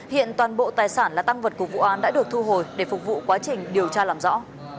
hiện toàn bộ tài sản là tăng vật của vụ án đã được thu hồi để phục vụ quá trình điều tra làm rõ